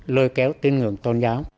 lôi kéo tín ngưỡng tôn giáo